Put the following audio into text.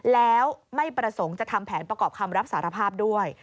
แล้วไม่ประสงค์จะทำแผนประกอบคำรับสารภาพด้วย